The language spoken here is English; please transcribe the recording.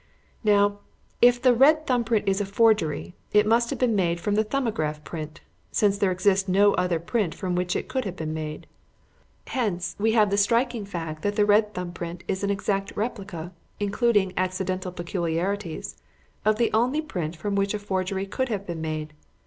Now, if the red thumb print is a forgery, it must have been made from the 'Thumbograph' print, since there exists no other print from which it could have been made. Hence we have the striking fact that the red thumb print is an exact replica including accidental peculiarities of the only print from which a forgery could have been made.